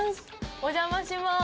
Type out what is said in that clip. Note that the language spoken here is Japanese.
お邪魔します。